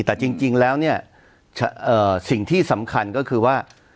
แต่จริงแล้วเนี่ยสิ่งที่สำคัญก็คือว่า